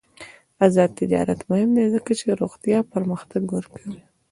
آزاد تجارت مهم دی ځکه چې روغتیا پرمختګ ورکوي.